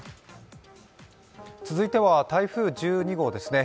続いては台風１２号ですね